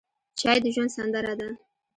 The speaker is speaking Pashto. چای د ژوند سندره ده.